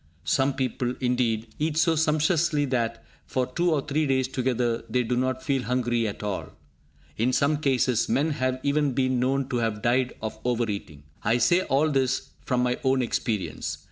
Some people, indeed, eat so sumptuously that, for two or three days together, they do not feel hungry at all. In some cases, men have even been known to have died of over eating. I say all this from my own experience.